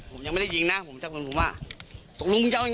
ผมยังไม่ได้ยิงนะผมชัดคนผมว่าสั่งลุงมึงจะอย่าง